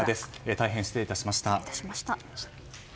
大変失礼いたしました。